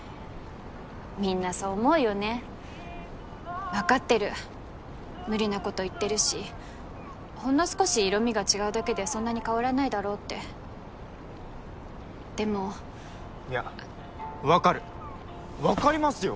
みんなそう思うよね分かってる無理なこと言ってるしほんの少し色味が違うだけでそんなに変わらないだろってでもいや分かる分かりますよ！